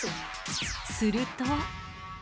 すると。